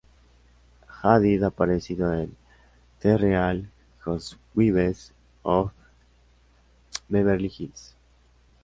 Hadid ha aparecido en "The Real Housewives of Beverly Hills".